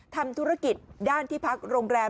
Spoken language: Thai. ทำธุรกิจด้านที่พักโรงแรม